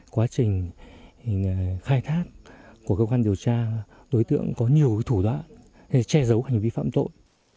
quá trình khai thác của cơ quan điều tra đối tượng có nhiều thủ đoạn để che giấu hành vi phạm tội